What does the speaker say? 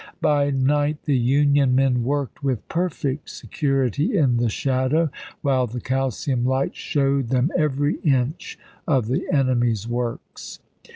By night the Union men worked with perfect security in the shadow, while the calcium lights showed them every inch of the enemy's works.